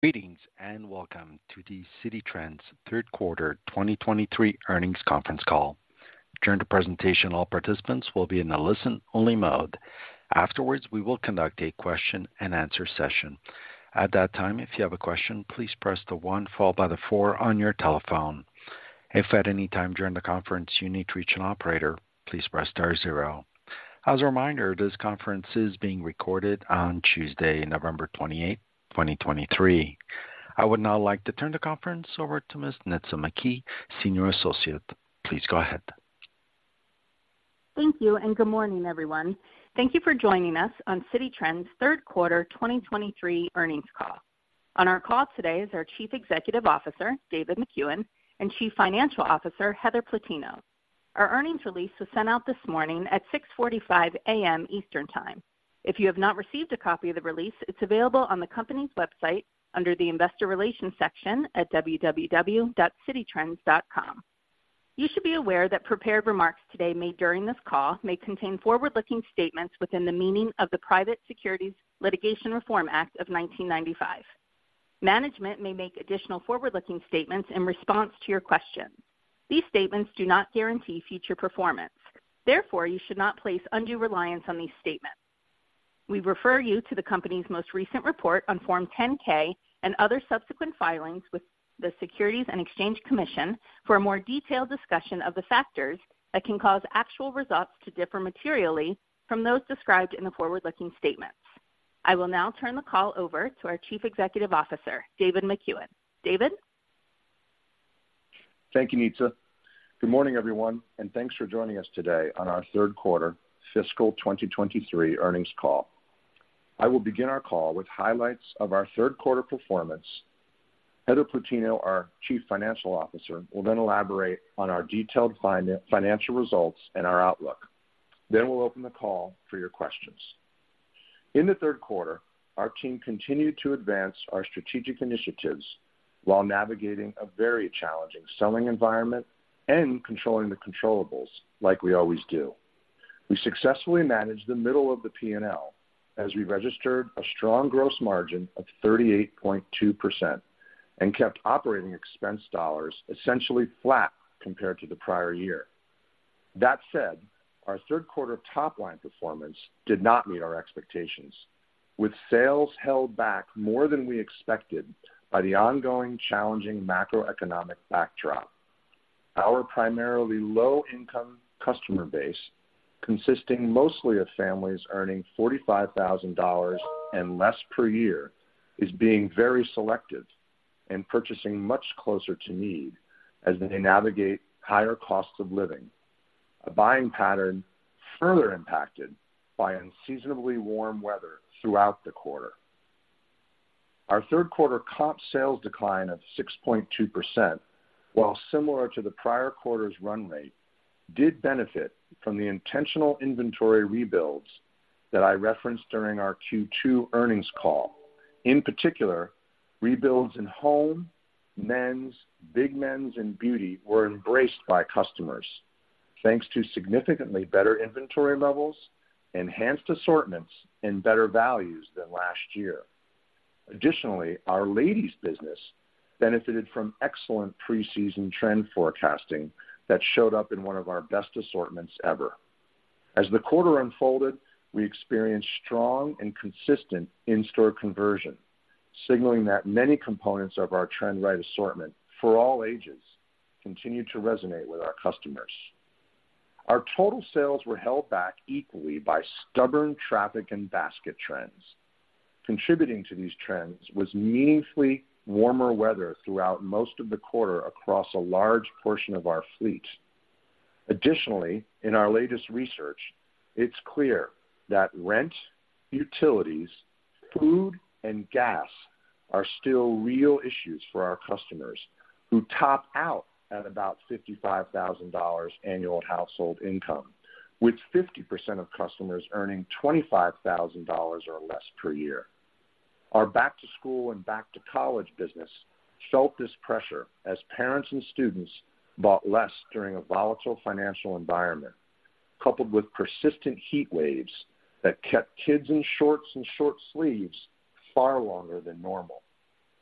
Greetings, and welcome to the Citi Trends Third Quarter 2023 Earnings Conference Call. During the presentation, all participants will be in a listen-only mode. Afterwards, we will conduct a question-and-answer session. At that time, if you have a question, please press the one followed by the four on your telephone. If at any time during the conference you need to reach an operator, please press star zero. As a reminder, this conference is being recorded on Tuesday, November 28, 2023. I would now like to turn the conference over to Ms. Nitza McKee, Senior Associate. Please go ahead. Thank you, and good morning, everyone. Thank you for joining us on Citi Trends' Third Quarter 2023 Earnings Call. On our call today is our Chief Executive Officer, David Makuen, and Chief Financial Officer, Heather Plutino. Our earnings release was sent out this morning at 6:45 a.m. Eastern Time. If you have not received a copy of the release, it's available on the company's website under the Investor Relations section at www.cititrends.com. You should be aware that prepared remarks today made during this call may contain forward-looking statements within the meaning of the Private Securities Litigation Reform Act of 1995. Management may make additional forward-looking statements in response to your questions. These statements do not guarantee future performance, therefore, you should not place undue reliance on these statements. We refer you to the company's most recent report on Form 10-K and other subsequent filings with the Securities and Exchange Commission for a more detailed discussion of the factors that can cause actual results to differ materially from those described in the forward-looking statements. I will now turn the call over to our Chief Executive Officer, David Makuen. David? Thank you, Nitza. Good morning, everyone, and thanks for joining us today on our third quarter fiscal 2023 earnings call. I will begin our call with highlights of our third quarter performance. Heather Plutino, our Chief Financial Officer, will then elaborate on our detailed financial results and our outlook. Then we'll open the call for your questions. In the third quarter, our team continued to advance our strategic initiatives while navigating a very challenging selling environment and controlling the controllables, like we always do. We successfully managed the middle of the P&L as we registered a strong gross margin of 38.2% and kept operating expense dollars essentially flat compared to the prior year. That said, our third quarter top line performance did not meet our expectations, with sales held back more than we expected by the ongoing challenging macroeconomic backdrop. Our primarily low-income customer base, consisting mostly of families earning $45,000 and less per year, is being very selective and purchasing much closer to need as they navigate higher costs of living, a buying pattern further impacted by unseasonably warm weather throughout the quarter. Our third quarter comp sales decline of 6.2%, while similar to the prior quarter's run rate, did benefit from the intentional inventory rebuilds that I referenced during our Q2 earnings call. In particular, rebuilds in home, men's, big men's, and beauty were embraced by customers, thanks to significantly better inventory levels, enhanced assortments, and better values than last year. Additionally, our ladies' business benefited from excellent preseason trend forecasting that showed up in one of our best assortments ever. As the quarter unfolded, we experienced strong and consistent in-store conversion, signaling that many components of our trend right assortment for all ages continued to resonate with our customers. Our total sales were held back equally by stubborn traffic and basket trends. Contributing to these trends was meaningfully warmer weather throughout most of the quarter across a large portion of our fleet. Additionally, in our latest research, it's clear that rent, utilities, food, and gas are still real issues for our customers, who top out at about $55,000 annual household income, with 50% of customers earning $25,000 or less per year. Our back to school and back to college business felt this pressure as parents and students bought less during a volatile financial environment, coupled with persistent heat waves that kept kids in shorts and short sleeves far longer than normal,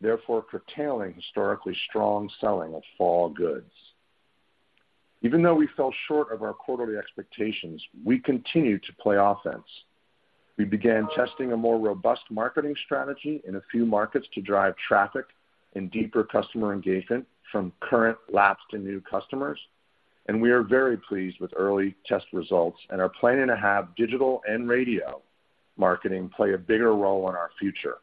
therefore curtailing historically strong selling of fall goods. Even though we fell short of our quarterly expectations, we continued to play offense. We began testing a more robust marketing strategy in a few markets to drive traffic and deeper customer engagement from current, lapsed, and new customers, and we are very pleased with early test results and are planning to have digital and radio marketing play a bigger role in our future.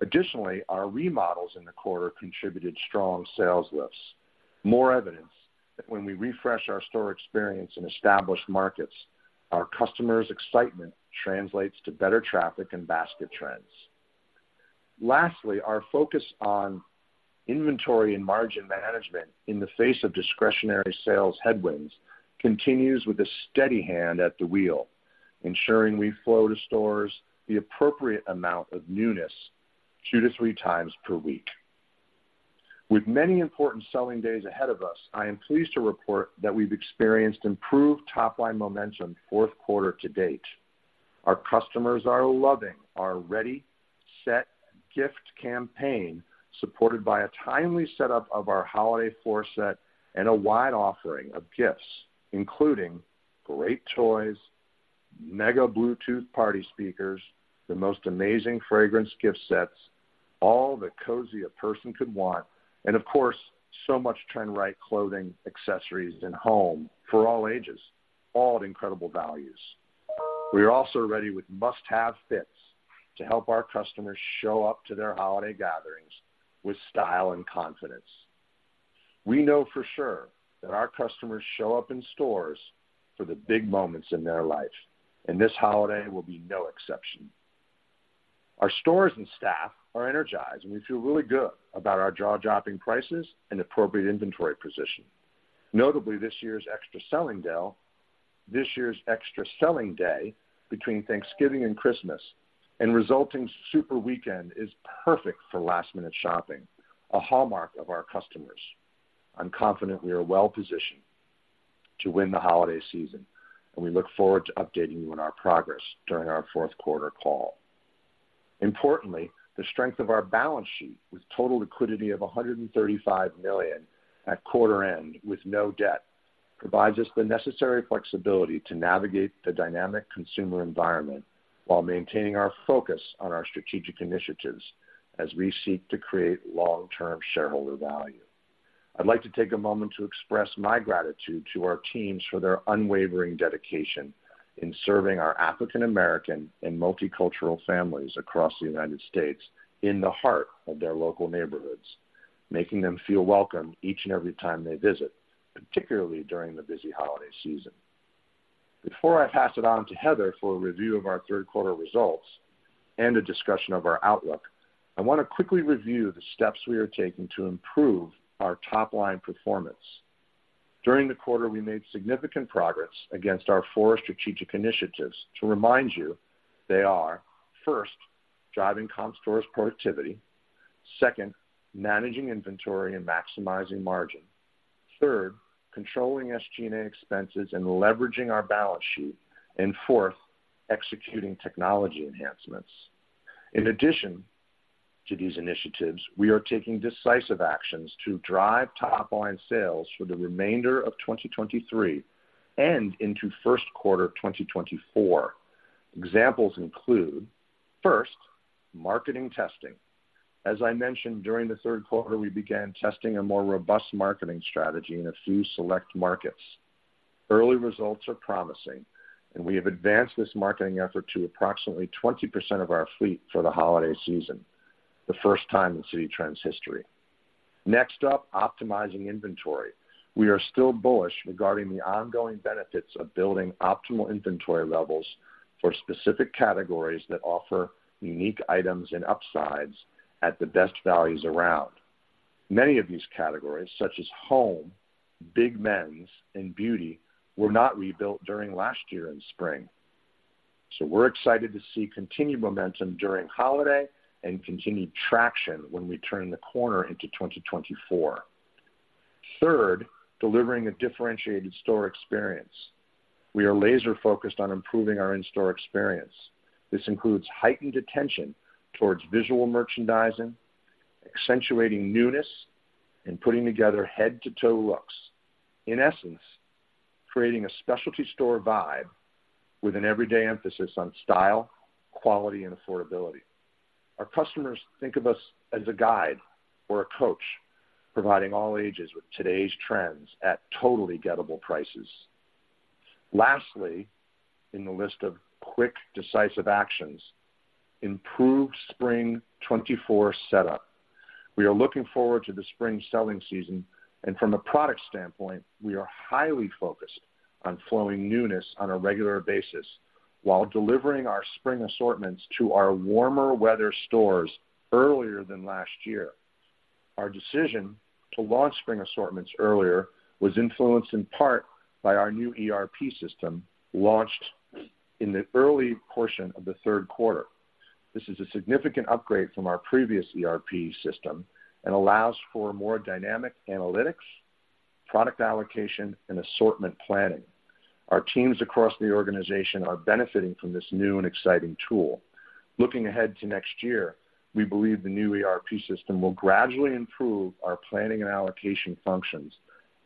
Additionally, our remodels in the quarter contributed strong sales lifts. More evidence that when we refresh our store experience in established markets, our customers' excitement translates to better traffic and basket trends. Lastly, our focus on inventory and margin management in the face of discretionary sales headwinds continues with a steady hand at the wheel, ensuring we flow to stores the appropriate amount of newness 2-3 times per week. With many important selling days ahead of us, I am pleased to report that we've experienced improved top-line momentum fourth quarter to date. Our customers are loving our Ready, Set, Gift campaign, supported by a timely setup of our holiday floor set and a wide offering of gifts, including great toys, mega Bluetooth party speakers, the most amazing fragrance gift sets, all the cozy a person could want, and of course, so much trend-right clothing, accessories, and home for all ages, all at incredible values. We are also ready with must-have fits to help our customers show up to their holiday gatherings with style and confidence. We know for sure that our customers show up in stores for the big moments in their life, and this holiday will be no exception. Our stores and staff are energized, and we feel really good about our jaw-dropping prices and appropriate inventory position. Notably, this year's extra selling day between Thanksgiving and Christmas, and resulting super weekend is perfect for last-minute shopping, a hallmark of our customers. I'm confident we are well positioned to win the holiday season, and we look forward to updating you on our progress during our fourth quarter call. Importantly, the strength of our balance sheet, with total liquidity of $135 million at quarter end, with no debt, provides us the necessary flexibility to navigate the dynamic consumer environment while maintaining our focus on our strategic initiatives as we seek to create long-term shareholder value. I'd like to take a moment to express my gratitude to our teams for their unwavering dedication in serving our African American and multicultural families across the United States in the heart of their local neighborhoods, making them feel welcome each and every time they visit, particularly during the busy holiday season. Before I pass it on to Heather for a review of our third quarter results and a discussion of our outlook, I want to quickly review the steps we are taking to improve our top-line performance. During the quarter, we made significant progress against our four strategic initiatives. To remind you, they are, first, driving comp stores productivity; second, managing inventory and maximizing margin; third, controlling SG&A expenses and leveraging our balance sheet; and fourth, executing technology enhancements. In addition to these initiatives, we are taking decisive actions to drive top-line sales for the remainder of 2023 and into first quarter of 2024. Examples include, first, marketing testing. As I mentioned, during the third quarter, we began testing a more robust marketing strategy in a few select markets. Early results are promising, and we have advanced this marketing effort to approximately 20% of our fleet for the holiday season, the first time in Citi Trends history. Next up, optimizing inventory. We are still bullish regarding the ongoing benefits of building optimal inventory levels for specific categories that offer unique items and upsides at the best values around. Many of these categories, such as home, big men's, and beauty, were not rebuilt during last year in spring. So we're excited to see continued momentum during holiday and continued traction when we turn the corner into 2024. Third, delivering a differentiated store experience. We are laser-focused on improving our in-store experience. This includes heightened attention towards visual merchandising, accentuating newness, and putting together head-to-toe looks. In essence, creating a specialty store vibe with an everyday emphasis on style, quality, and affordability. Our customers think of us as a guide or a coach, providing all ages with today's trends at totally gettable prices. Lastly, in the list of quick, decisive actions, improved spring 2024 setup. We are looking forward to the spring selling season, and from a product standpoint, we are highly focused on flowing newness on a regular basis while delivering our spring assortments to our warmer weather stores earlier than last year. Our decision to launch spring assortments earlier was influenced, in part, by our new ERP system, launched in the early portion of the third quarter. This is a significant upgrade from our previous ERP system and allows for more dynamic analytics, product allocation, and assortment planning. Our teams across the organization are benefiting from this new and exciting tool. Looking ahead to next year, we believe the new ERP system will gradually improve our planning and allocation functions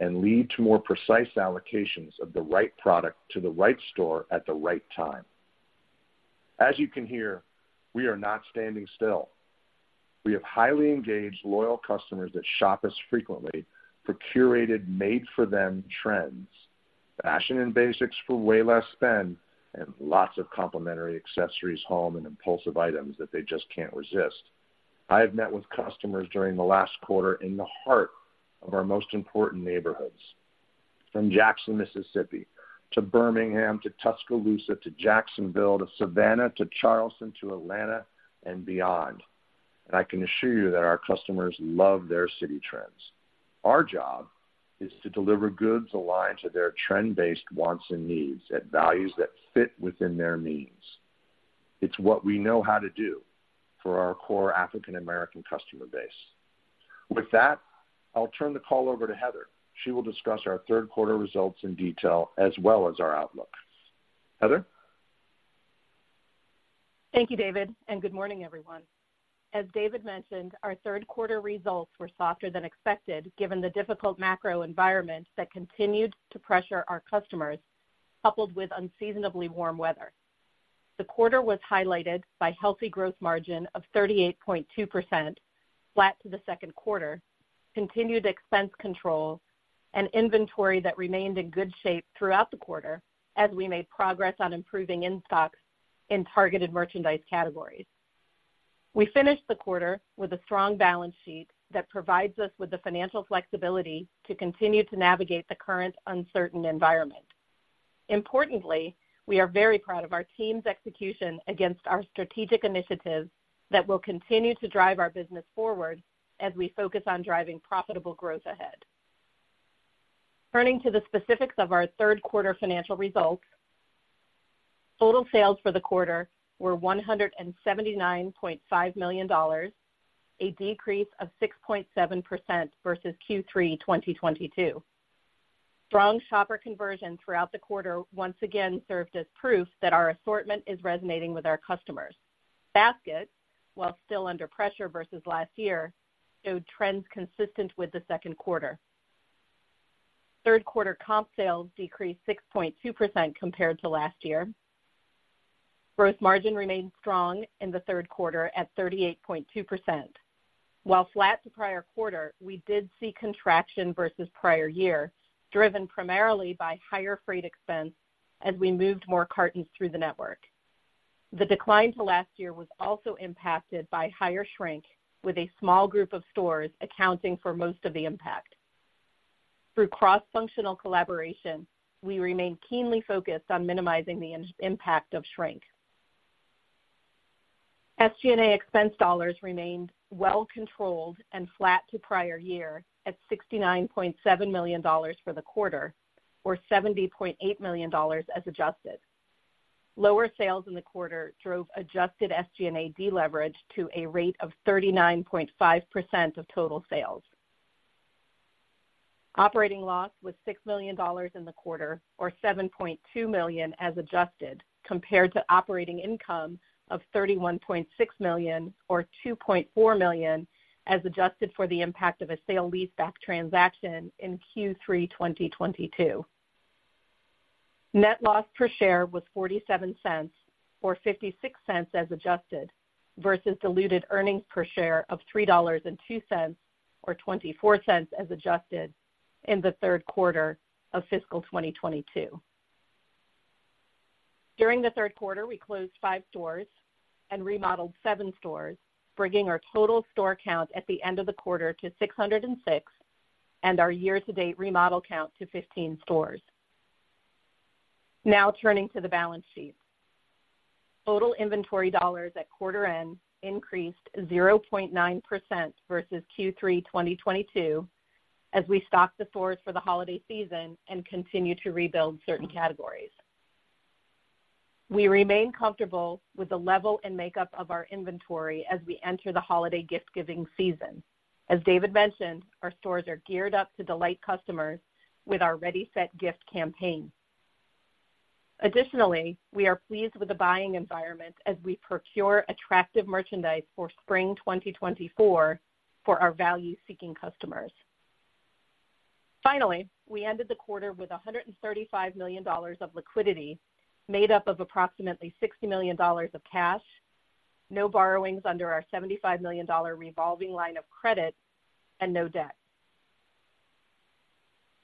and lead to more precise allocations of the right product to the right store at the right time. As you can hear, we are not standing still. We have highly engaged, loyal customers that shop us frequently for curated, made-for-them trends, fashion and basics for way less spend, and lots of complimentary accessories, home, and impulsive items that they just can't resist. I have met with customers during the last quarter in the heart of our most important neighborhoods, from Jackson, Mississippi, to Birmingham, to Tuscaloosa, to Jacksonville, to Savannah, to Charleston, to Atlanta, and beyond. And I can assure you that our customers love their Citi Trends. Our job is to deliver goods aligned to their trend-based wants and needs at values that fit within their means.... It's what we know how to do for our core African American customer base. With that, I'll turn the call over to Heather. She will discuss our third quarter results in detail as well as our outlook. Heather? Thank you, David, and good morning, everyone. As David mentioned, our third quarter results were softer than expected, given the difficult macro environment that continued to pressure our customers, coupled with unseasonably warm weather. The quarter was highlighted by healthy gross margin of 38.2%, flat to the second quarter, continued expense control and inventory that remained in good shape throughout the quarter as we made progress on improving in-stock in targeted merchandise categories. We finished the quarter with a strong balance sheet that provides us with the financial flexibility to continue to navigate the current uncertain environment. Importantly, we are very proud of our team's execution against our strategic initiatives that will continue to drive our business forward as we focus on driving profitable growth ahead. Turning to the specifics of our third quarter financial results, total sales for the quarter were $179.5 million, a decrease of 6.7% versus Q3 2022. Strong shopper conversion throughout the quarter once again served as proof that our assortment is resonating with our customers. Basket, while still under pressure versus last year, showed trends consistent with the second quarter. Third quarter comp sales decreased 6.2% compared to last year. Gross margin remained strong in the third quarter at 38.2%. While flat to prior quarter, we did see contraction versus prior year, driven primarily by higher freight expense as we moved more cartons through the network. The decline to last year was also impacted by higher shrink, with a small group of stores accounting for most of the impact. Through cross-functional collaboration, we remain keenly focused on minimizing the impact of shrink. SG&A expense dollars remained well controlled and flat to prior year at $69.7 million for the quarter, or $70.8 million as adjusted. Lower sales in the quarter drove adjusted SG&A deleverage to a rate of 39.5% of total sales. Operating loss was $6 million in the quarter, or $7.2 million as adjusted, compared to operating income of $31.6 million or $2.4 million, as adjusted for the impact of a sale leaseback transaction in Q3 2022. Net loss per share was $0.47, or $0.56 as adjusted, versus diluted earnings per share of $3.02, or $0.24 as adjusted in the third quarter of fiscal 2022. During the third quarter, we closed five stores and remodeled seven stores, bringing our total store count at the end of the quarter to 606, and our year-to-date remodel count to 15 stores. Now turning to the balance sheet. Total inventory dollars at quarter end increased 0.9% versus Q3 2022 as we stock the stores for the holiday season and continue to rebuild certain categories. We remain comfortable with the level and makeup of our inventory as we enter the holiday gift-giving season. As David mentioned, our stores are geared up to delight customers with our Ready, Set, Gift campaign. Additionally, we are pleased with the buying environment as we procure attractive merchandise for spring 2024 for our value-seeking customers. Finally, we ended the quarter with $135 million of liquidity, made up of approximately $60 million of cash, no borrowings under our $75 million revolving line of credit, and no debt.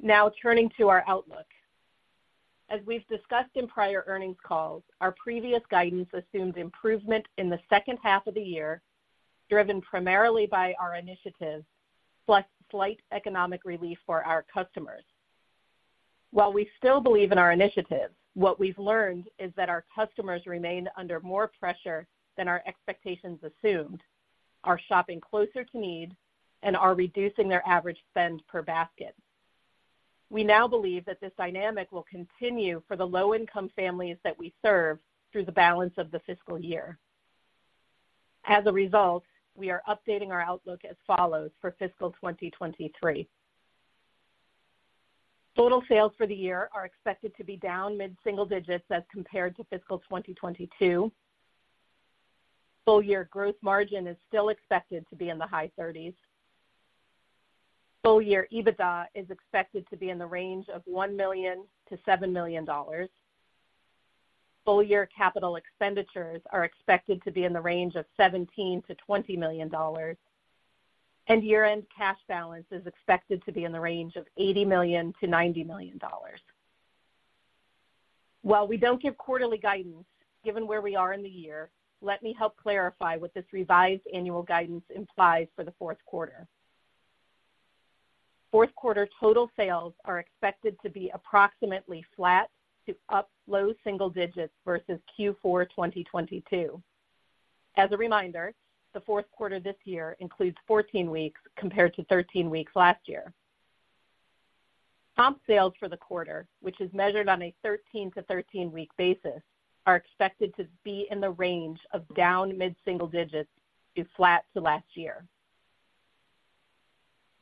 Now turning to our outlook. As we've discussed in prior earnings calls, our previous guidance assumes improvement in the second half of the year, driven primarily by our initiatives, plus slight economic relief for our customers. While we still believe in our initiatives, what we've learned is that our customers remain under more pressure than our expectations assumed, are shopping closer to need, and are reducing their average spend per basket. We now believe that this dynamic will continue for the low-income families that we serve through the balance of the fiscal year. As a result, we are updating our outlook as follows for fiscal 2023. Total sales for the year are expected to be down mid-single digits as compared to fiscal 2022. Full year gross margin is still expected to be in the high 30s. Full year EBITDA is expected to be in the range of $1 million-$7 million. Full year capital expenditures are expected to be in the range of $17 million-$20 million, and year-end cash balance is expected to be in the range of $80 million-$90 million. While we don't give quarterly guidance, given where we are in the year, let me help clarify what this revised annual guidance implies for the fourth quarter. Fourth quarter total sales are expected to be approximately flat to up low single digits versus Q4 2022. As a reminder, the fourth quarter this year includes 14 weeks compared to 13 weeks last year. Comp sales for the quarter, which is measured on a 13- to 13-week basis, are expected to be in the range of down mid-single digits to flat to last year.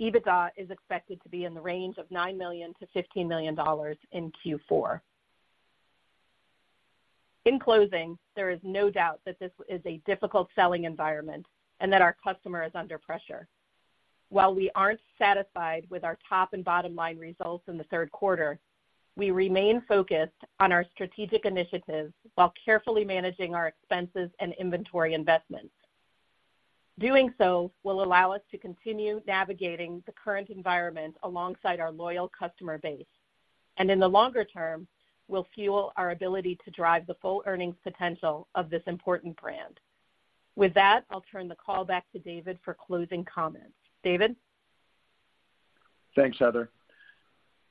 EBITDA is expected to be in the range of $9 million-$15 million in Q4. In closing, there is no doubt that this is a difficult selling environment and that our customer is under pressure. While we aren't satisfied with our top and bottom line results in the third quarter, we remain focused on our strategic initiatives while carefully managing our expenses and inventory investments. Doing so will allow us to continue navigating the current environment alongside our loyal customer base, and in the longer term, will fuel our ability to drive the full earnings potential of this important brand. With that, I'll turn the call back to David for closing comments. David? Thanks, Heather.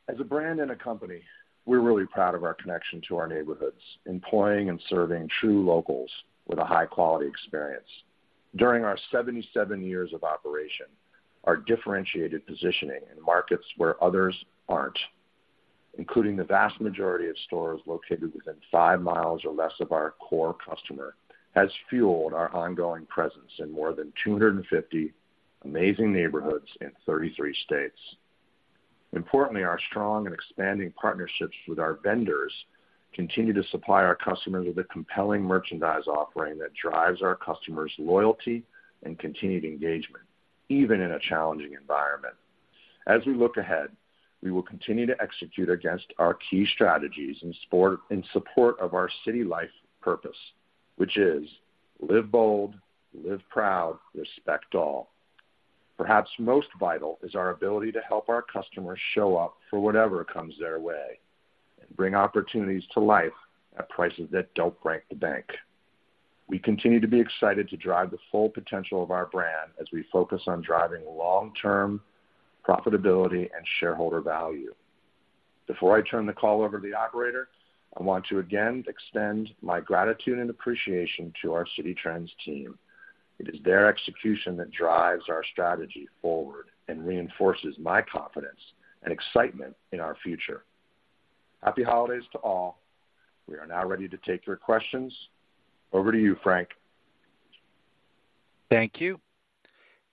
As a brand and a company, we're really proud of our connection to our neighborhoods, employing and serving true locals with a high-quality experience. During our 77 years of operation, our differentiated positioning in markets where others aren't, including the vast majority of stores located within five miles or less of our core customer, has fueled our ongoing presence in more than 250 amazing neighborhoods in 33 states. Importantly, our strong and expanding partnerships with our vendors continue to supply our customers with a compelling merchandise offering that drives our customers' loyalty and continued engagement, even in a challenging environment. As we look ahead, we will continue to execute against our key strategies in support of our Citi Life purpose, which is, "Live bold, live proud, respect all." Perhaps most vital is our ability to help our customers show up for whatever comes their way and bring opportunities to life at prices that don't break the bank. We continue to be excited to drive the full potential of our brand as we focus on driving long-term profitability and shareholder value. Before I turn the call over to the operator, I want to again extend my gratitude and appreciation to our Citi Trends team. It is their execution that drives our strategy forward and reinforces my confidence and excitement in our future. Happy holidays to all. We are now ready to take your questions. Over to you, Frank. Thank you.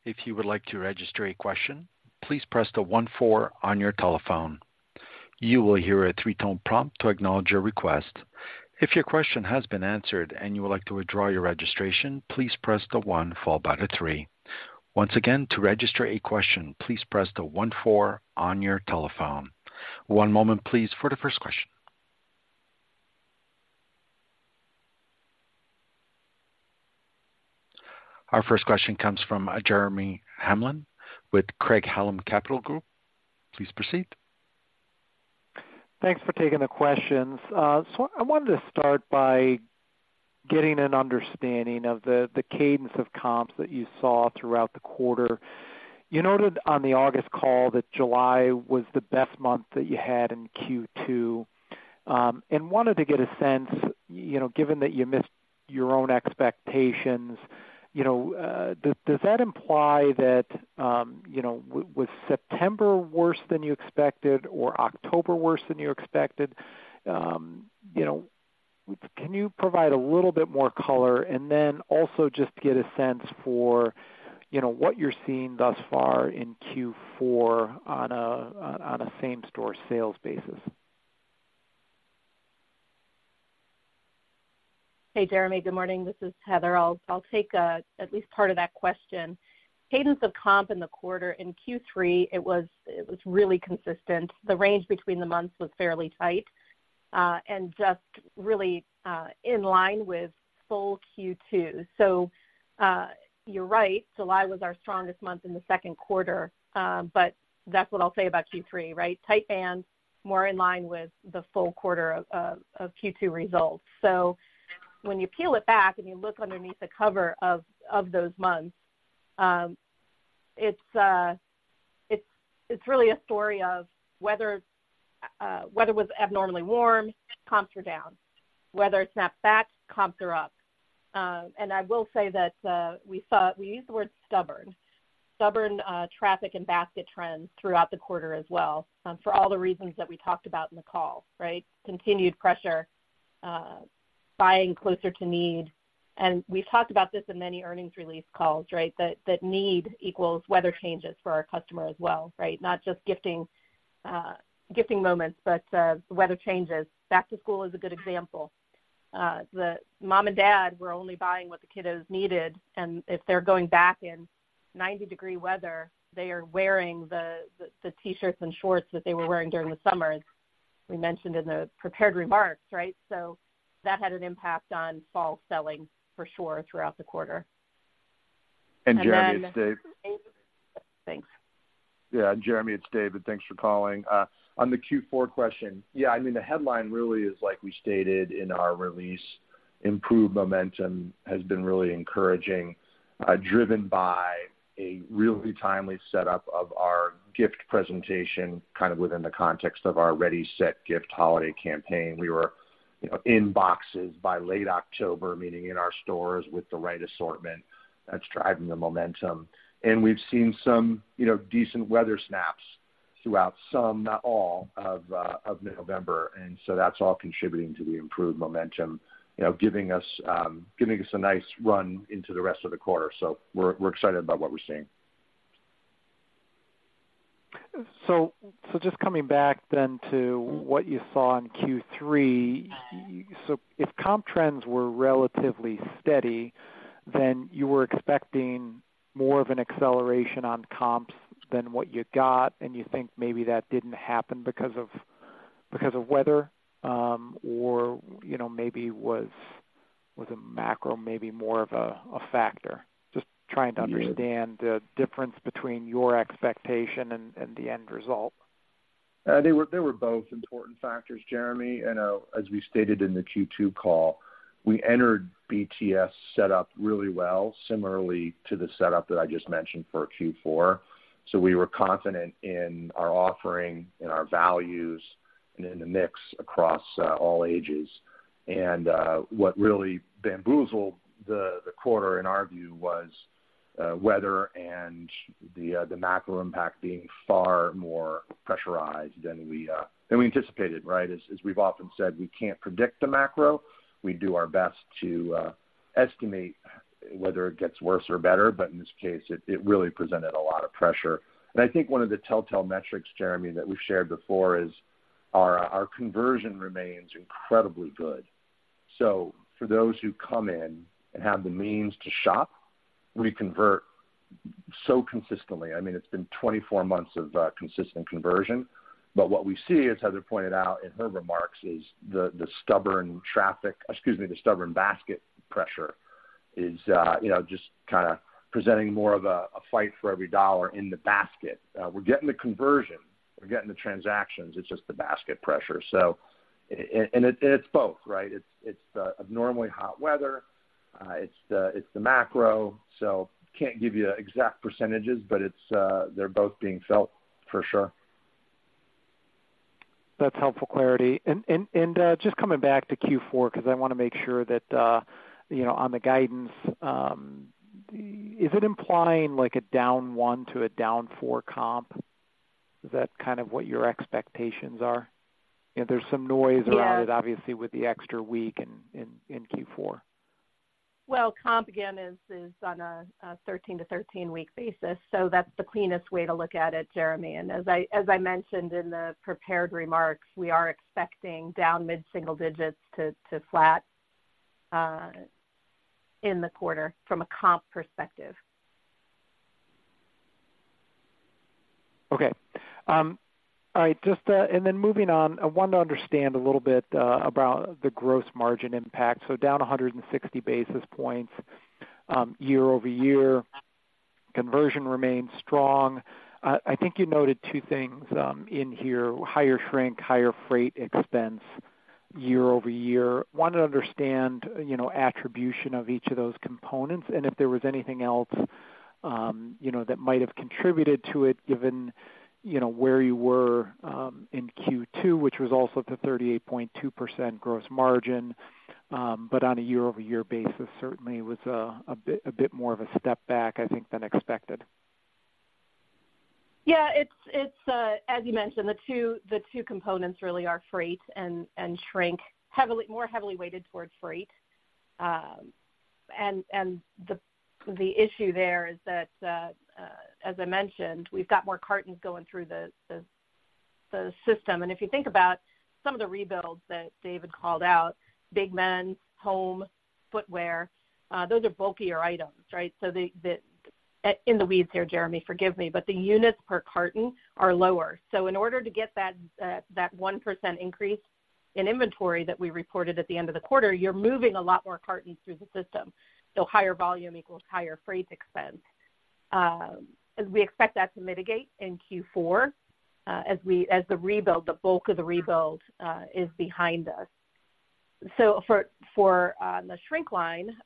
If you would like to register a question, please press the one four on your telephone. You will hear a 3-tone prompt to acknowledge your request. If your question has been answered and you would like to withdraw your registration, please press the one followed by the three. Once again, to register a question, please press the one four on your telephone. One moment, please, for the first question. Our first question comes from Jeremy Hamblin with Craig-Hallum Capital Group. Please proceed. Thanks for taking the questions. So I wanted to start by getting an understanding of the cadence of comps that you saw throughout the quarter. You noted on the August call that July was the best month that you had in Q2. And wanted to get a sense, you know, given that you missed your own expectations, you know, does that imply that, you know, was September worse than you expected or October worse than you expected? You know, can you provide a little bit more color? And then also just get a sense for, you know, what you're seeing thus far in Q4 on a same-store sales basis? Hey, Jeremy, good morning. This is Heather. I'll take at least part of that question. Cadence of comp in the quarter in Q3, it was really consistent. The range between the months was fairly tight, and just really in line with full Q2. So, you're right, July was our strongest month in the second quarter, but that's what I'll say about Q3, right? Tight band, more in line with the full quarter of Q2 results. So when you peel it back and you look underneath the cover of those months, it's really a story of weather. Weather was abnormally warm, comps were down. Weather snapped back, comps are up. And I will say that we saw... We used the word stubborn, stubborn, traffic and basket trends throughout the quarter as well, for all the reasons that we talked about in the call, right? Continued pressure, buying closer to need. And we've talked about this in many earnings release calls, right, that need equals weather changes for our customer as well, right? Not just gifting, gifting moments, but weather changes. Back to school is a good example. The mom and dad were only buying what the kiddos needed, and if they're going back in 90-degree weather, they are wearing the T-shirts and shorts that they were wearing during the summer, as we mentioned in the prepared remarks, right? So that had an impact on fall selling for sure, throughout the quarter. Jeremy, it's Dave. Thanks. Yeah, Jeremy, it's David. Thanks for calling. On the Q4 question, yeah, I mean, the headline really is, like we stated in our release, improved momentum has been really encouraging, driven by a really timely set up of our gift presentation, kind of within the context of our Ready, Set, Gift holiday campaign. We were, you know, in boxes by late October, meaning in our stores with the right assortment. That's driving the momentum. And we've seen some, you know, decent weather snaps throughout some, not all, of November. And so that's all contributing to the improved momentum, you know, giving us a nice run into the rest of the quarter. So we're excited about what we're seeing. So, just coming back then to what you saw in Q3, so if comp trends were relatively steady, then you were expecting more of an acceleration on comps than what you got, and you think maybe that didn't happen because of weather, or, you know, maybe was a macro maybe more of a factor? Just trying to understand- Yeah The difference between your expectation and the end result. They were both important factors, Jeremy. And, as we stated in the Q2 call, we entered BTS set up really well, similarly to the setup that I just mentioned for Q4. So we were confident in our offering, in our values, and in the mix across all ages. And, what really bamboozled the quarter, in our view, was weather and the macro impact being far more pressurized than we anticipated, right? As, we've often said, we can't predict the macro. We do our best to estimate whether it gets worse or better, but in this case, it really presented a lot of pressure. And I think one of the telltale metrics, Jeremy, that we've shared before is our conversion remains incredibly good. So for those who come in and have the means to shop, we convert so consistently. I mean, it's been 24 months of consistent conversion. But what we see, as Heather pointed out in her remarks, is the stubborn traffic, excuse me, the stubborn basket pressure is, you know, just kinda presenting more of a fight for every dollar in the basket. We're getting the conversion, we're getting the transactions, it's just the basket pressure. So, and it's both, right? It's the abnormally hot weather, it's the macro. So can't give you exact percentages, but it's they're both being felt for sure. That's helpful clarity. And just coming back to Q4, 'cause I wanna make sure that, you know, on the guidance, is it implying like a down 1 to a down 4 comp? Is that kind of what your expectations are? You know, there's some noise around it- Yeah Obviously, with the extra week in Q4. Well, comp again is on a 13 to 13-week basis, so that's the cleanest way to look at it, Jeremy. As I mentioned in the prepared remarks, we are expecting down mid-single digits to flat in the quarter from a comp perspective. Okay. All right, just, and then moving on, I wanted to understand a little bit about the gross margin impact. So down 160 basis points, year-over-year, conversion remains strong. I think you noted two things in here: higher shrink, higher freight expense year-over-year. Wanted to understand, you know, attribution of each of those components, and if there was anything else, you know, that might have contributed to it, given, you know, where you were in Q2, which was also at the 38.2% gross margin? But on a year-over-year basis, certainly was a bit more of a step back, I think, than expected. Yeah, as you mentioned, the two components really are freight and shrink, more heavily weighted towards freight. And the issue there is that, as I mentioned, we've got more cartons going through the system. And if you think about some of the rebuilds that David called out, big men, home, footwear, those are bulkier items, right? In the weeds here, Jeremy, forgive me, but the units per carton are lower. So in order to get that 1% increase in inventory that we reported at the end of the quarter, you're moving a lot more cartons through the system. So higher volume equals higher freight expense. And we expect that to mitigate in Q4, as the rebuild, the bulk of the rebuild, is behind us. So for the shrink line,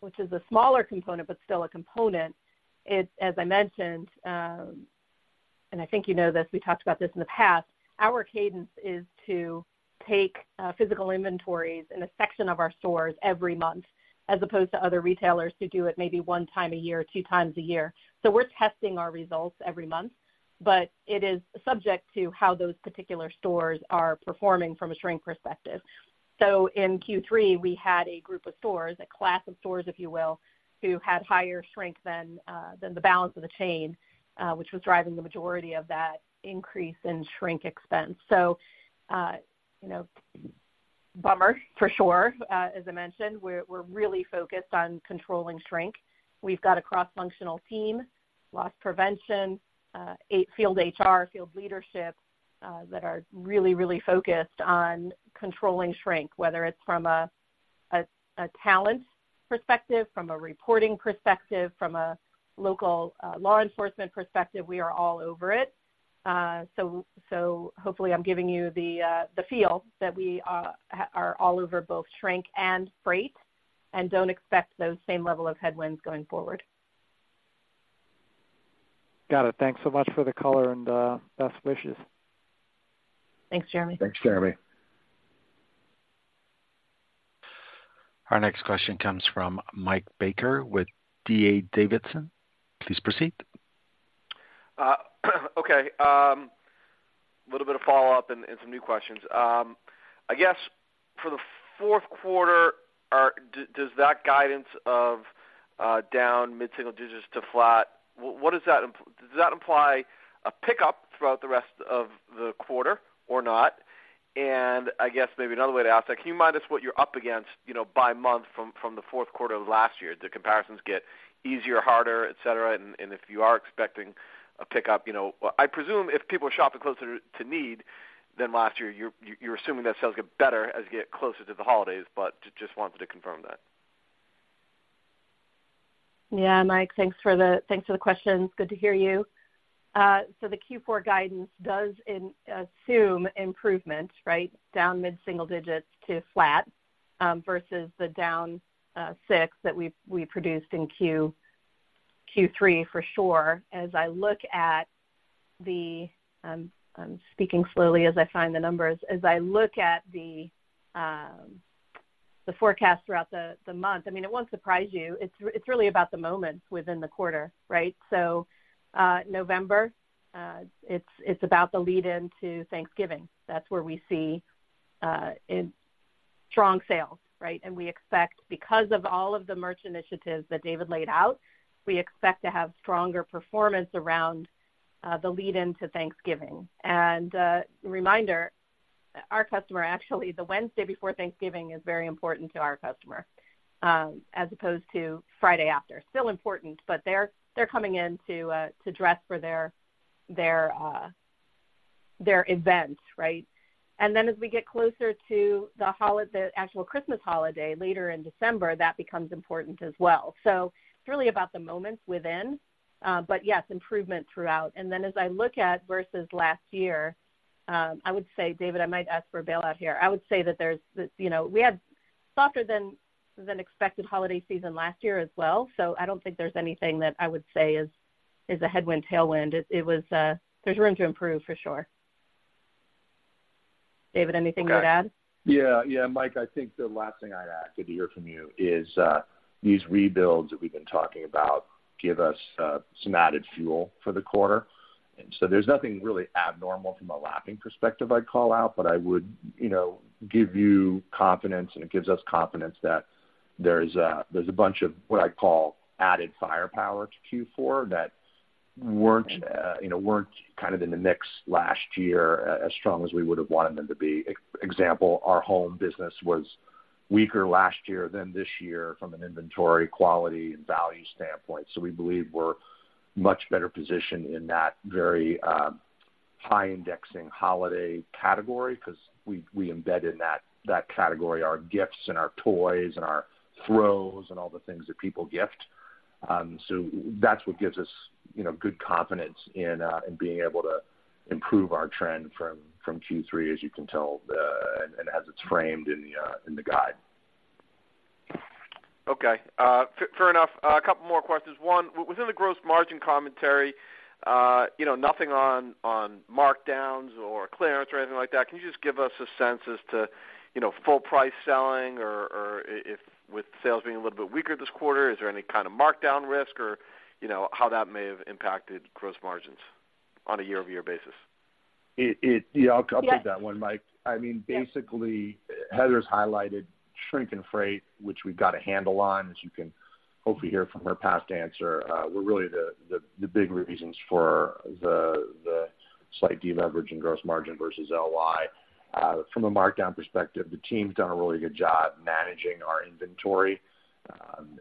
which is a smaller component, but still a component, it's, as I mentioned, and I think you know this, we talked about this in the past, our cadence is to take physical inventories in a section of our stores every month, as opposed to other retailers who do it maybe one time a year or two times a year. So we're testing our results every month, but it is subject to how those particular stores are performing from a shrink perspective. So in Q3, we had a group of stores, a class of stores, if you will, who had higher shrink than the balance of the chain, which was driving the majority of that increase in shrink expense. So, you know, bummer for sure. As I mentioned, we're really focused on controlling shrink. We've got a cross-functional team, loss prevention, eight field HR, field leadership, that are really, really focused on controlling shrink, whether it's from a talent perspective, from a reporting perspective, from a local law enforcement perspective, we are all over it. So, hopefully, I'm giving you the feel that we are all over both shrink and freight, and don't expect those same level of headwinds going forward. Got it. Thanks so much for the color and best wishes. Thanks, Jeremy. Thanks, Jeremy. Our next question comes from Mike Baker with D.A. Davidson. Please proceed. Okay, a little bit of follow-up and some new questions. I guess for the fourth quarter, does that guidance of down mid-single digits to flat, what does that imply—a pickup throughout the rest of the quarter or not? And I guess maybe another way to ask that, can you remind us what you're up against, you know, by month from the fourth quarter of last year? Do comparisons get easier, harder, et cetera, and if you are expecting a pickup, you know? Well, I presume if people are shopping closer to need than last year, you're assuming that sales get better as you get closer to the holidays, but just wanted to confirm that. Yeah, Mike, thanks for the questions. Good to hear you. So the Q4 guidance does assume improvement, right? Down mid-single digits to flat versus the down 6 that we've produced in Q3, for sure. As I look at the forecast throughout the month, I mean, it won't surprise you. It's really about the moments within the quarter, right? So, November, it's about the lead into Thanksgiving. That's where we see strong sales, right? And we expect, because of all of the merch initiatives that David laid out, we expect to have stronger performance around the lead into Thanksgiving. Reminder, our customer, actually, the Wednesday before Thanksgiving is very important to our customer, as opposed to Friday after. Still important, but they're coming in to dress for their event, right? And then, as we get closer to the actual Christmas holiday later in December, that becomes important as well. So it's really about the moments within, but yes, improvement throughout. And then, as I look at versus last year, I would say, David, I might ask for a bailout here. I would say that there's this, you know... We had softer than expected holiday season last year as well, so I don't think there's anything that I would say is a headwind, tailwind. It was. There's room to improve, for sure. David, anything you would add? Yeah, yeah, Mike, I think the last thing I'd add, good to hear from you, is these rebuilds that we've been talking about give us some added fuel for the quarter. And so there's nothing really abnormal from a lapping perspective I'd call out, but I would, you know, give you confidence, and it gives us confidence that there's a bunch of what I call added firepower to Q4 that weren't, you know, weren't kind of in the mix last year as strong as we would have wanted them to be. Example, our home business was weaker last year than this year from an inventory, quality, and value standpoint. So we believe we're much better positioned in that very high indexing holiday category, 'cause we embedded in that category our gifts and our toys and our throws and all the things that people gift. So that's what gives us, you know, good confidence in being able to improve our trend from Q3, as you can tell, and as it's framed in the guide. Okay, fair, fair enough. A couple more questions. One, within the gross margin commentary, you know, nothing on, on markdowns or clearance or anything like that. Can you just give us a sense as to, you know, full price selling or, or if with sales being a little bit weaker this quarter, is there any kind of markdown risk or, you know, how that may have impacted gross margins on a year-over-year basis? Yeah, I'll take that one, Mike. Yeah. I mean, basically, Heather's highlighted shrink and freight, which we've got a handle on, as you can hopefully hear from her past answer. Were really the big reasons for the slight deleverage in gross margin versus LY. From a markdown perspective, the team's done a really good job managing our inventory,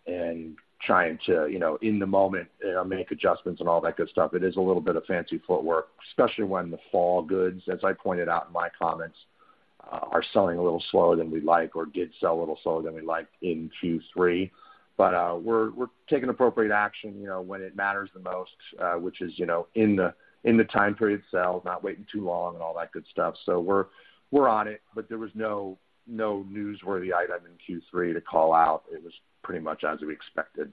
and trying to, you know, in the moment, make adjustments and all that good stuff. It is a little bit of fancy footwork, especially when the fall goods, as I pointed out in my comments, are selling a little slower than we'd like or did sell a little slower than we'd like in Q3. But, we're taking appropriate action, you know, when it matters the most, which is, you know, in the time period itself, not waiting too long and all that good stuff. So we're on it, but there was no newsworthy item in Q3 to call out. It was pretty much as we expected.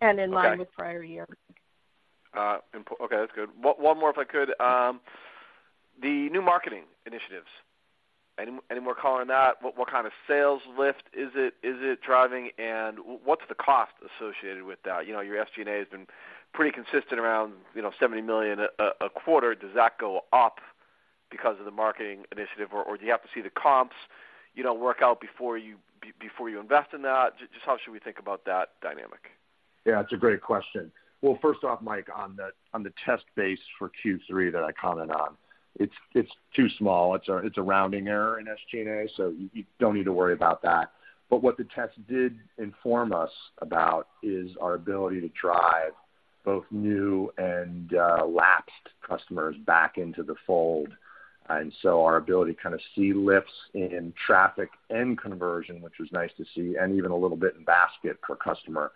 And in line- Okay With prior years. Okay, that's good. One more, if I could. The new marketing initiatives, any more color on that? What kind of sales lift is it driving? And what's the cost associated with that? You know, your SG&A has been pretty consistent around, you know, $70 million a quarter. Does that go up because of the marketing initiative, or do you have to see the comps, you know, work out before you invest in that? Just how should we think about that dynamic? Yeah, it's a great question. Well, first off, Mike, on the test base for Q3 that I commented on, it's too small. It's a rounding error in SG&A, so you don't need to worry about that. But what the test did inform us about is our ability to drive both new and lapsed customers back into the fold. And so our ability to kind of see lifts in traffic and conversion, which was nice to see, and even a little bit in basket per customer,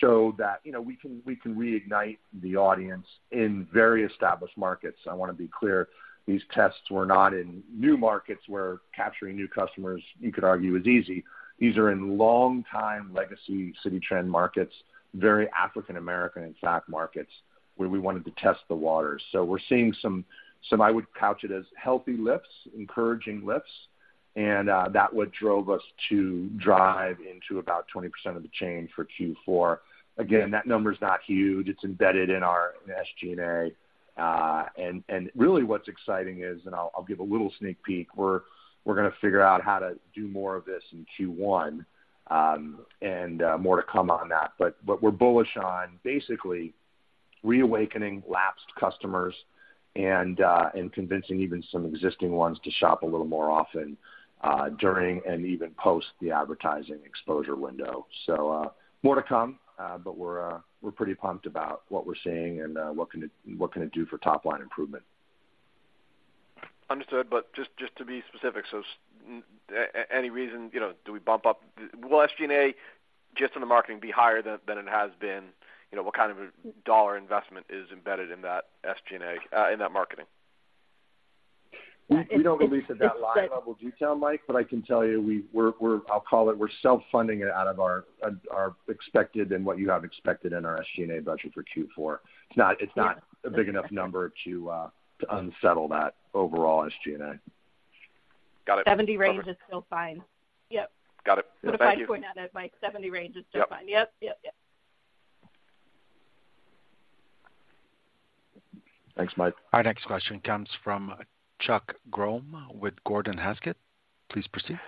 showed that, you know, we can reignite the audience in very established markets. I wanna be clear, these tests were not in new markets where capturing new customers, you could argue, is easy. These are in longtime legacy Citi Trends markets, very African American and SNAP markets, where we wanted to test the waters. So we're seeing some, I would couch it as healthy lifts, encouraging lifts... and that what drove us to drive into about 20% of the chain for Q4. Again, that number is not huge. It's embedded in our SG&A. And really, what's exciting is, and I'll give a little sneak peek, we're gonna figure out how to do more of this in Q1, and more to come on that. But we're bullish on basically reawakening lapsed customers and convincing even some existing ones to shop a little more often, during and even post the advertising exposure window. So, more to come, but we're pretty pumped about what we're seeing and what it can do for top-line improvement. Understood, but just, just to be specific, so any reason, you know, do we bump up, will SG&A, just on the marketing, be higher than, than it has been? You know, what kind of a dollar investment is embedded in that SG&A, in that marketing? We don't release at that line-level detail, Mike, but I can tell you we're self-funding it out of our expected and what you have expected in our SG&A budget for Q4. It's not a big enough number to unsettle that overall SG&A. Got it. 70 range is still fine. Yep. Got it. What I was pointing out at, Mike, 70 range is just fine. Yep. Yep, yep, yep. Thanks, Mike. Our next question comes from Chuck Grom with Gordon Haskett. Please proceed.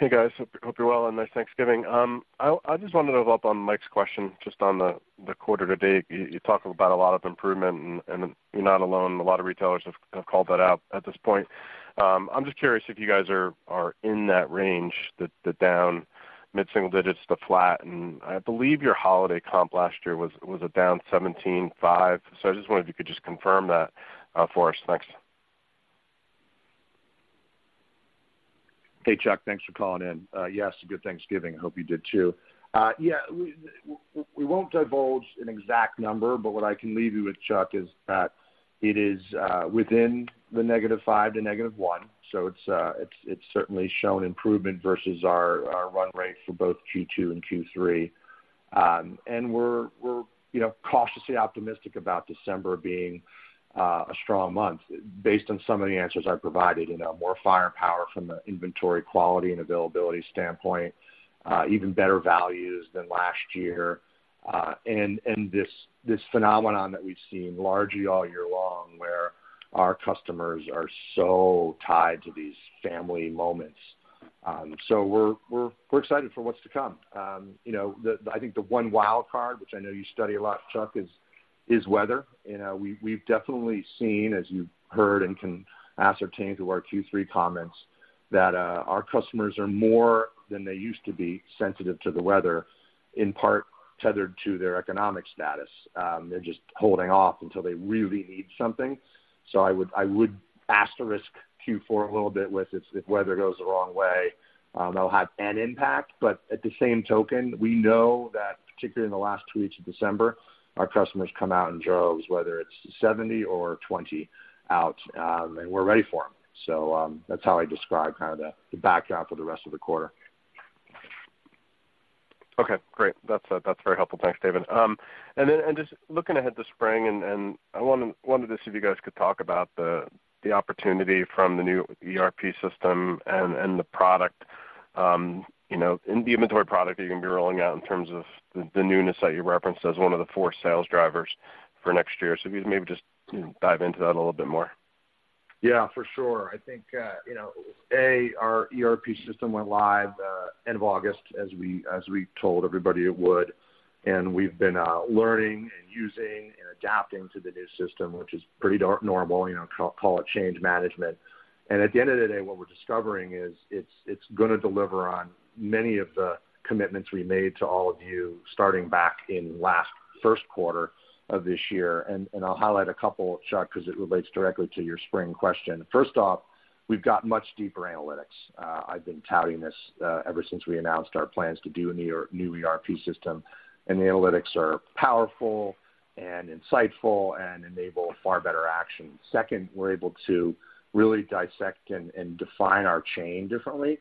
Hey, guys, hope you're well, and nice Thanksgiving. I just wanted to follow up on Mike's question, just on the quarter to date. You talked about a lot of improvement, and you're not alone. A lot of retailers have called that out at this point. I'm just curious if you guys are in that range, the down mid-single digits to flat, and I believe your holiday comp last year was a down 17.5. So I just wondered if you could just confirm that for us. Thanks. Hey, Chuck, thanks for calling in. Yes, a good Thanksgiving. I hope you did, too. Yeah, we won't divulge an exact number, but what I can leave you with, Chuck, is that it is within the -5 to -1, so it's certainly shown improvement versus our run rate for both Q2 and Q3. And we're, you know, cautiously optimistic about December being a strong month based on some of the answers I provided, you know, more firepower from the inventory quality and availability standpoint, even better values than last year. And this phenomenon that we've seen largely all year long, where our customers are so tied to these family moments. So we're excited for what's to come. You know, the—I think the one wild card, which I know you study a lot, Chuck, is weather. You know, we've definitely seen, as you've heard and can ascertain through our Q3 comments, that our customers are more than they used to be sensitive to the weather, in part tethered to their economic status. They're just holding off until they really need something. So I would asterisk Q4 a little bit with its—if weather goes the wrong way, that'll have an impact. But at the same token, we know that particularly in the last two weeks of December, our customers come out in droves, whether it's 70 or 20 out, and we're ready for them. So that's how I describe kind of the backdrop for the rest of the quarter. Okay, great. That's very helpful. Thanks, David. Just looking ahead to spring, I wanted to see if you guys could talk about the opportunity from the new ERP system and the product, you know, and the inventory product you're gonna be rolling out in terms of the newness that you referenced as one of the four sales drivers for next year. So maybe just, you know, dive into that a little bit more. Yeah, for sure. I think, you know, A, our ERP system went live end of August, as we, as we told everybody it would. And we've been learning and using and adapting to the new system, which is pretty darn normal, you know, call it change management. And at the end of the day, what we're discovering is, it's gonna deliver on many of the commitments we made to all of you, starting back in first quarter of this year. And I'll highlight a couple, Chuck, because it relates directly to your spring question. First off, we've got much deeper analytics. I've been touting this ever since we announced our plans to do a new ERP system, and the analytics are powerful and insightful and enable far better action. Second, we're able to really dissect and define our chain differently.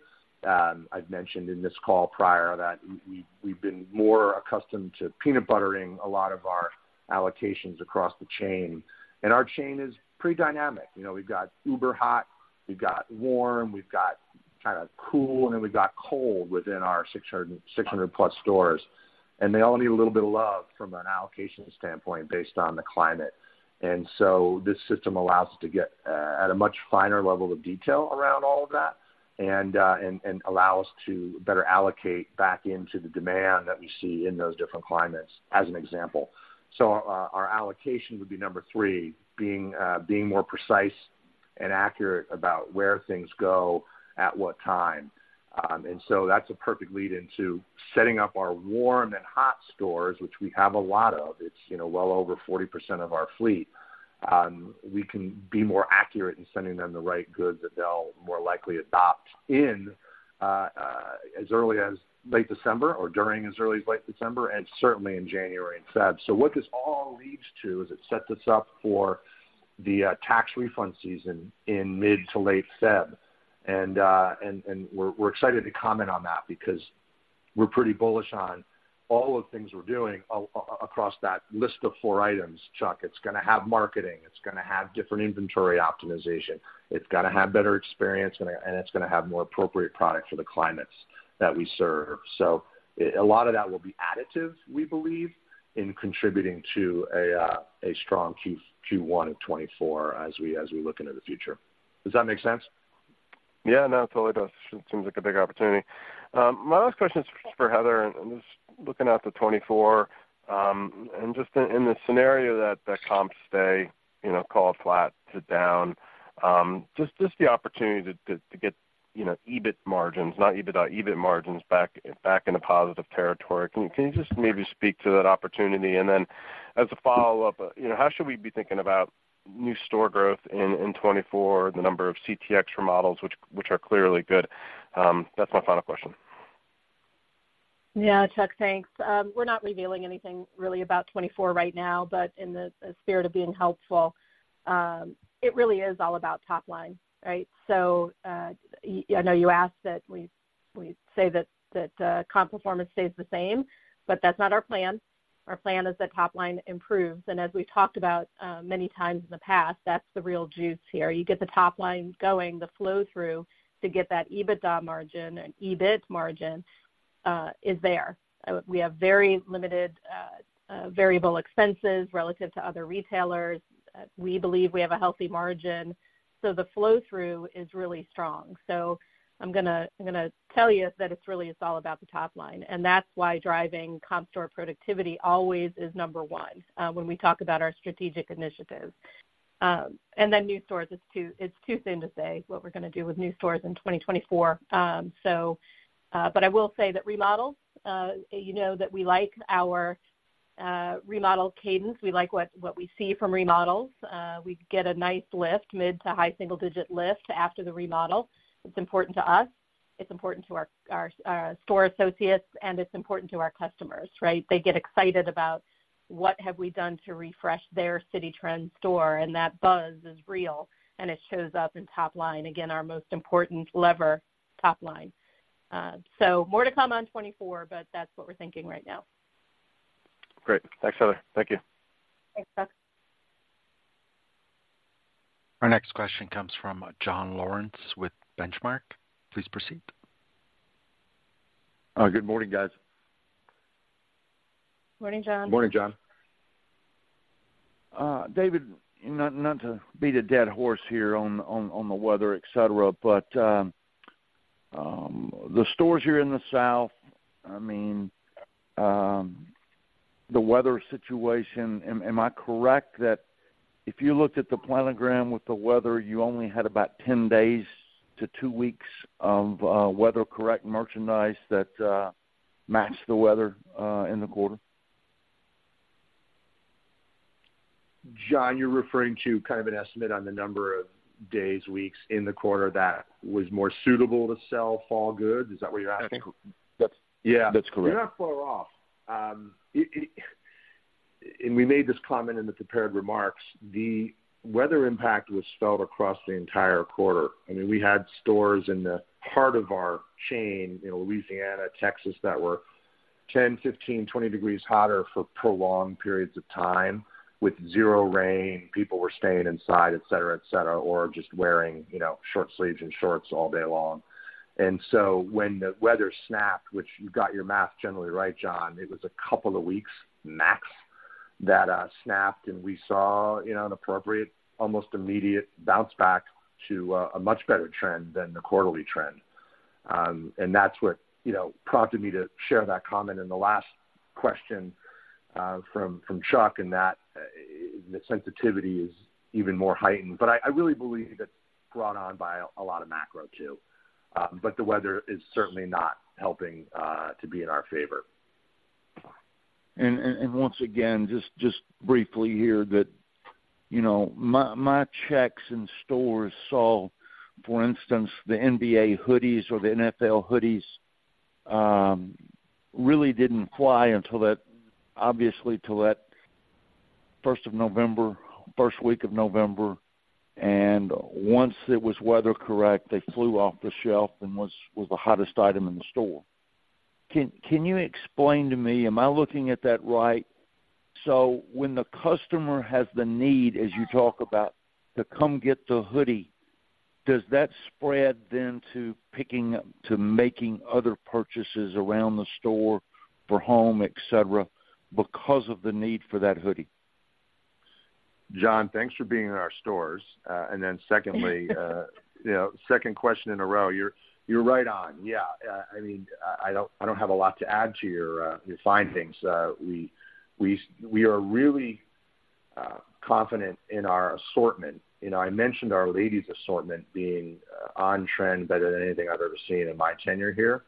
I've mentioned in this call prior that we, we've been more accustomed to peanut buttering a lot of our allocations across the chain, and our chain is pretty dynamic. You know, we've got uber hot, we've got warm, we've got kind of cool, and then we've got cold within our 600, 600-plus stores, and they all need a little bit of love from an allocation standpoint based on the climate. And so this system allows us to get at a much finer level of detail around all of that and allow us to better allocate back into the demand that we see in those different climates, as an example. So our allocation would be number three, being more precise and accurate about where things go at what time. And so that's a perfect lead-in to setting up our warm and hot stores, which we have a lot of. It's, you know, well over 40% of our fleet. We can be more accurate in sending them the right goods that they'll more likely adopt in as early as late December or during as early as late December and certainly in January and February. So what this all leads to is it sets us up for the tax refund season in mid to late February. And we're excited to comment on that because... we're pretty bullish on all the things we're doing across that list of four items, Chuck. It's gonna have marketing, it's gonna have different inventory optimization, it's gonna have better experience, and it's gonna have more appropriate product for the climates that we serve. So a lot of that will be additive, we believe, in contributing to a strong Q1 in 2024 as we look into the future. Does that make sense? Yeah, no, it totally does. Seems like a big opportunity. My last question is for Heather, and just looking out to 2024, and just in the scenario that comps stay, you know, call it flat to down, just the opportunity to get, you know, EBIT margins, not EBITDA, EBIT margins back in a positive territory. Can you just maybe speak to that opportunity? And then as a follow-up, you know, how should we be thinking about new store growth in 2024, the number of CTX remodels, which are clearly good? That's my final question. Yeah, Chuck, thanks. We're not revealing anything really about 2024 right now, but in the spirit of being helpful, it really is all about top line, right? So, I know you asked that we say that comp performance stays the same, but that's not our plan. Our plan is that top line improves. And as we've talked about many times in the past, that's the real juice here. You get the top line going, the flow-through to get that EBITDA margin and EBIT margin is there. We have very limited variable expenses relative to other retailers. We believe we have a healthy margin, so the flow-through is really strong. So I'm gonna tell you that it really is all about the top line, and that's why driving comp store productivity always is number one, when we talk about our strategic initiatives. And then new stores, it's too soon to say what we're gonna do with new stores in 2024. But I will say that remodels, you know, that we like our remodel cadence. We like what we see from remodels. We get a nice lift, mid to high-single-digit lift after the remodel. It's important to us, it's important to our store associates, and it's important to our customers, right? They get excited about what have we done to refresh their Citi Trends store, and that buzz is real, and it shows up in top line. Again, our most important lever, top line. So more to come on 2024, but that's what we're thinking right now. Great. Thanks, Heather. Thank you. Thanks, Chuck. Our next question comes from John Lawrence with Benchmark. Please proceed. Good morning, guys. Morning, John. Morning, John. David, not to beat a dead horse here on the weather, et cetera, but the stores here in the South, I mean, the weather situation, am I correct that if you looked at the planogram with the weather, you only had about 10 days to two weeks of weather-correct merchandise that matched the weather in the quarter? John, you're referring to kind of an estimate on the number of days, weeks in the quarter that was more suitable to sell fall goods? Is that what you're asking? I think that's... Yeah, that's correct. You're not far off. It-- and we made this comment in the prepared remarks, the weather impact was felt across the entire quarter. I mean, we had stores in the heart of our chain, in Louisiana, Texas, that were 10, 15, 20 degrees hotter for prolonged periods of time with zero rain. People were staying inside, et cetera, et cetera, or just wearing, you know, short sleeves and shorts all day long. And so when the weather snapped, which you got your math generally right, John, it was a couple of weeks, max, that snapped, and we saw, you know, an appropriate, almost immediate bounce back to a much better trend than the quarterly trend. And that's what, you know, prompted me to share that comment in the last question from Chuck, and that the sensitivity is even more heightened. But I really believe it's brought on by a lot of macro too. But the weather is certainly not helping to be in our favor. Once again, just briefly here, you know, my checks in stores saw, for instance, the NBA hoodies or the NFL hoodies really didn't fly until that—obviously, till that first of November, first week of November, and once it was weather correct, they flew off the shelf and was the hottest item in the store. Can you explain to me, am I looking at that right? So when the customer has the need, as you talk about, to come get the hoodie, does that spread then to picking up, to making other purchases around the store for home, et cetera, because of the need for that hoodie? John, thanks for being in our stores. And then secondly, you know, second question in a row. You're right on, yeah. I mean, I don't have a lot to add to your findings. We are really confident in our assortment. You know, I mentioned our ladies' assortment being on trend better than anything I've ever seen in my tenure here.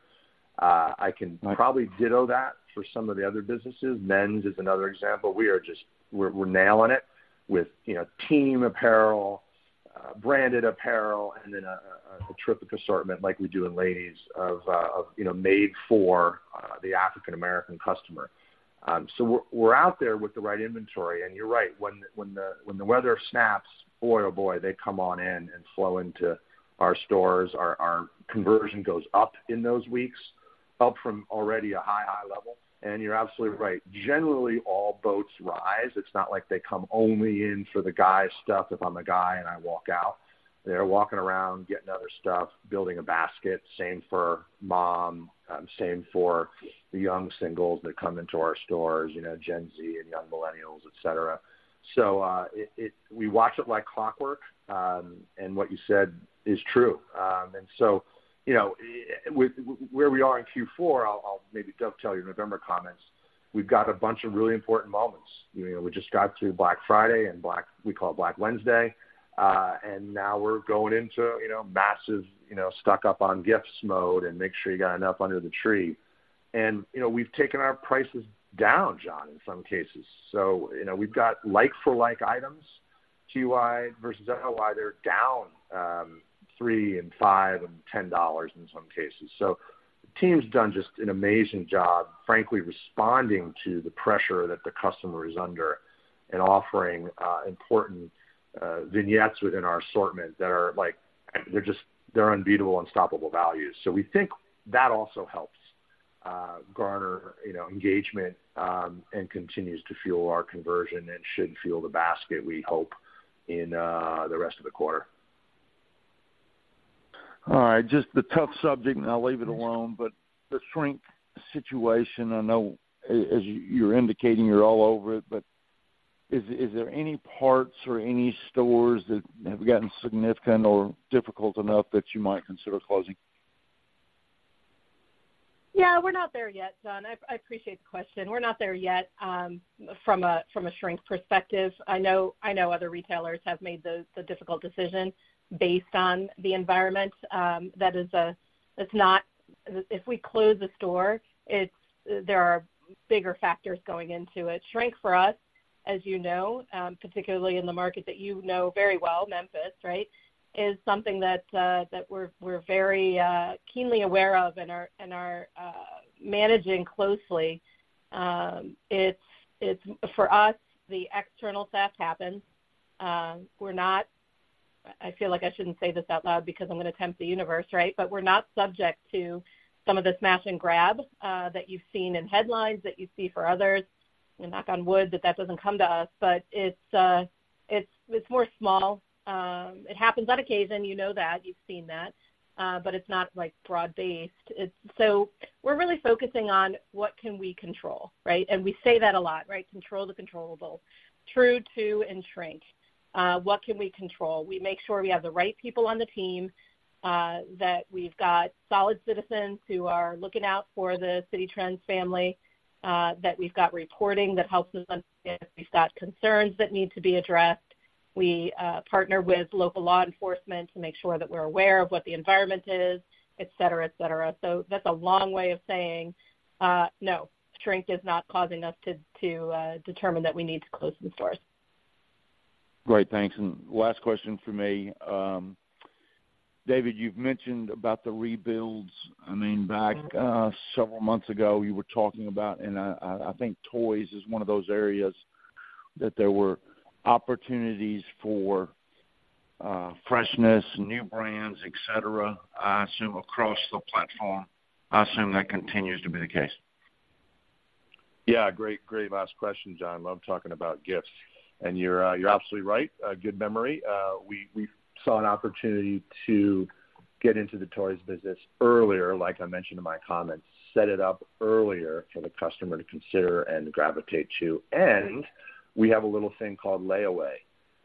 I can probably ditto that for some of the other businesses. Men's is another example. We are just... We're nailing it with, you know, team apparel, branded apparel, and then a terrific assortment like we do in ladies of, you know, made for the African American customer. So we're out there with the right inventory. And you're right, when the weather snaps, boy, oh, boy, they come on in and flow into our stores. Our conversion goes up in those weeks... up from already a high, high level. And you're absolutely right. Generally, all boats rise. It's not like they come only in for the guy stuff if I'm a guy, and I walk out. They're walking around, getting other stuff, building a basket. Same for mom, same for the young singles that come into our stores, you know, Gen Z and young Millennials, et cetera. So, it we watch it like clockwork, and what you said is true. And so, you know, with where we are in Q4, I'll maybe dovetail your November comments. We've got a bunch of really important moments. You know, we just got through Black Friday and Black. We call it Black Wednesday, and now we're going into, you know, massive, you know, stock-up-on-gifts mode and make sure you got enough under the tree. And, you know, we've taken our prices down, John, in some cases. So, you know, we've got like-for-like items, TY versus TY, they're down $3, $5, and $10 in some cases. So the team's done just an amazing job, frankly, responding to the pressure that the customer is under and offering, important, vignettes within our assortment that are, like, they're just—they're unbeatable, unstoppable values. So we think that also helps, garner, you know, engagement, and continues to fuel our conversion and should fuel the basket, we hope, in, the rest of the quarter. All right. Just a tough subject, and I'll leave it alone. But the shrink situation, I know, as you're indicating, you're all over it, but is there any parts or any stores that have gotten significant or difficult enough that you might consider closing? Yeah, we're not there yet, John. I appreciate the question. We're not there yet from a shrink perspective. I know other retailers have made the difficult decision based on the environment. It's not. If we close a store, there are bigger factors going into it. Shrink for us, as you know, particularly in the market that you know very well, Memphis, right, is something that we're very keenly aware of and are managing closely. It's... For us, the external theft happens. We're not. I feel like I shouldn't say this out loud because I'm gonna tempt the universe, right? But we're not subject to some of the smash and grab that you've seen in headlines that you see for others. And knock on wood, that that doesn't come to us. But it's more small. It happens on occasion, you know that. You've seen that, but it's not, like, broad-based. It's... So we're really focusing on what can we control, right? And we say that a lot, right? Control the controllable. True, too, in shrink. What can we control? We make sure we have the right people on the team, that we've got solid citizens who are looking out for the Citi Trends family, that we've got reporting that helps us understand if we've got concerns that need to be addressed. We partner with local law enforcement to make sure that we're aware of what the environment is, et cetera, et cetera. So that's a long way of saying, no, shrink is not causing us to determine that we need to close the stores. Great, thanks. And last question for me. David, you've mentioned about the rebuilds. I mean, back several months ago, you were talking about, and I think toys is one of those areas that there were opportunities for freshness, new brands, et cetera, I assume, across the platform. I assume that continues to be the case. Yeah, great, great last question, John. Love talking about gifts, and you're, you're absolutely right. A good memory. We, we saw an opportunity to get into the toys business earlier, like I mentioned in my comments, set it up earlier for the customer to consider and gravitate to. And we have a little thing called layaway,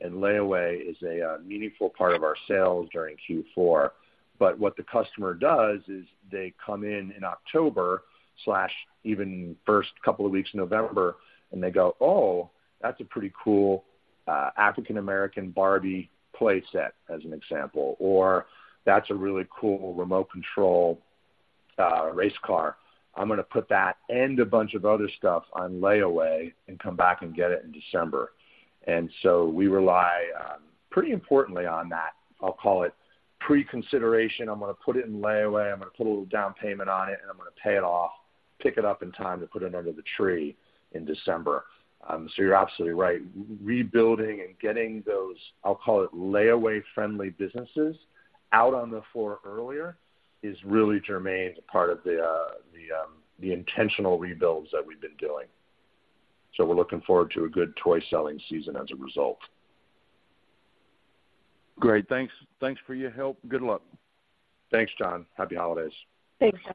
and layaway is a meaningful part of our sales during Q4. But what the customer does is they come in in October/even first couple of weeks of November, and they go, "Oh, that's a pretty cool African American Barbie play set," as an example, or, "That's a really cool remote control race car. I'm gonna put that and a bunch of other stuff on layaway and come back and get it in December." And so we rely pretty importantly on that. I'll call it pre-consideration. I'm gonna put it in layaway, I'm gonna put a little down payment on it, and I'm gonna pay it off, pick it up in time to put it under the tree in December. So you're absolutely right. Rebuilding and getting those, I'll call it, layaway-friendly businesses out on the floor earlier is really germane to part of the intentional rebuilds that we've been doing. So we're looking forward to a good toy-selling season as a result. Great. Thanks. Thanks for your help. Good luck. Thanks, John. Happy holidays. Thanks. Ms.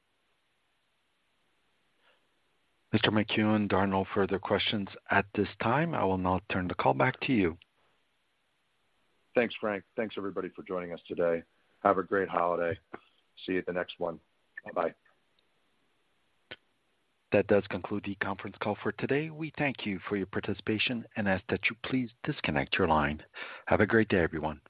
McKee, and there are no further questions at this time. I will now turn the call back to you. Thanks, Frank. Thanks, everybody, for joining us today. Have a great holiday. See you at the next one. Bye-bye. That does conclude the conference call for today. We thank you for your participation and ask that you please disconnect your line. Have a great day, everyone.